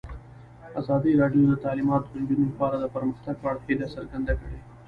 ازادي راډیو د تعلیمات د نجونو لپاره د پرمختګ په اړه هیله څرګنده کړې.